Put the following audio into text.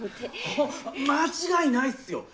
おっ間違いないっすよ。